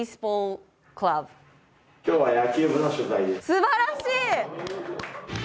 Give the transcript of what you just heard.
すばらしい！